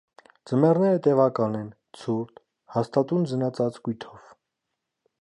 Ձմեռները տևական են՝ ցուրտ, հաստատուն ձնածածկույթով։